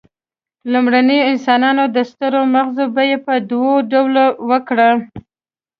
لومړنیو انسانانو د سترو مغزو بیه په دوو ډولونو ورکړه.